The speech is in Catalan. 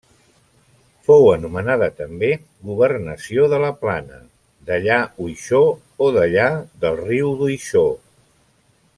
Fou anomenada també governació de la Plana, dellà Uixó o dellà del riu d’Uixó.